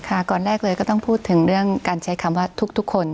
ก่อนแรกเลยก็ต้องพูดถึงเรื่องการใช้คำว่าทุกคน